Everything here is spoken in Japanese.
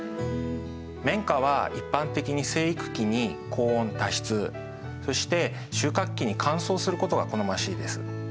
綿花は一般的に生育期に高温多湿そして収穫期に乾燥することが好ましいです。